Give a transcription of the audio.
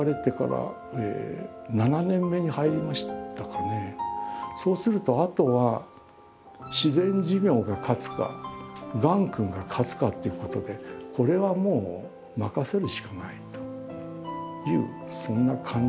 今そうするとあとは自然寿命が勝つかがん君が勝つかっていうことでこれはもう任せるしかないというそんな感じですね。